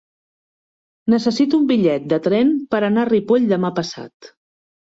Necessito un bitllet de tren per anar a Ripoll demà passat.